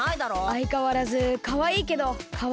あいかわらずかわいいけどかわいくないな。